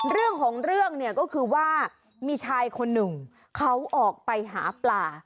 เรื่องของเรื่องเนี่ยก็คือว่ามีชายคนหนึ่งเขาออกไปหาปลา